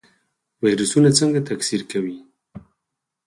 ویروسونه څنګه تکثیر کوي؟